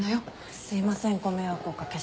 すいませんご迷惑お掛けして。